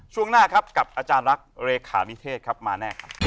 ช่วงหน้าครับกับอาจารย์รักลักษณ์เลขาณิเทศเลยมาแน่ครับ